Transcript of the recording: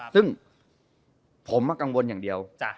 ซึ่งผมกังวลอย่างเดียว